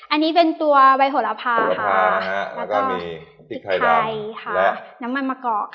อันนี้เป็นตัวใบโหระพาแล้วก็มีพริกไทยดำและน้ำมันมะกอก